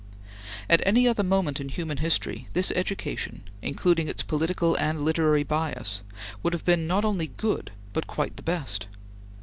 At any other moment in human history, this education, including its political and literary bias, would have been not only good, but quite the best.